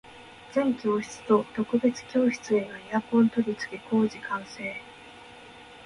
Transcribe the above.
全教室と特別教室へのエアコン取り付け工事完成